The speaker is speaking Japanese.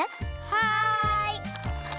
はい！